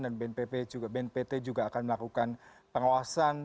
dan bnpt juga akan melakukan pengawasan